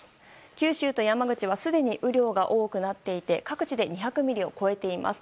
九州と山口はすでに雨量が多くなっていて各地で２００ミリを超えています。